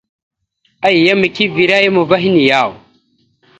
Ayyam eke evere a yam ava henne yaw ?